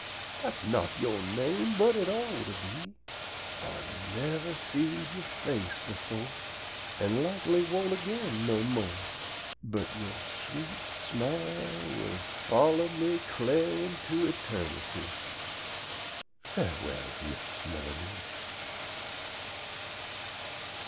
Dat's not yo' name, but it ought to be! Ah nevah seed yo' face befo' An' lakly won't again no mo'; But yo' sweet smile will follow me Cla'r into eternity! Farewell, Miss Melerlee!